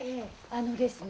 あのですね